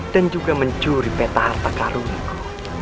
dan juga mencuri peta harta karuniku